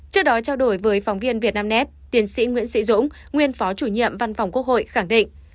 trước đó trao đổi với phóng viên việt nam nét tiến sĩ nguyễn sĩ dũng nguyên phó chủ nhiệm văn phòng quốc hội khẳng định